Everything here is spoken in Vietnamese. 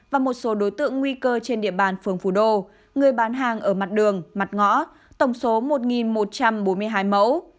và một số đối tượng nguy cơ trên địa bàn phường phù đô người bán hàng ở mặt đường mặt ngõ tổng số một một trăm bốn mươi hai mẫu